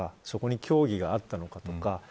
そこに協議があったのか。